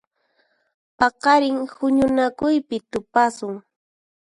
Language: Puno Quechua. Paqarin huñunakuypi tupasun.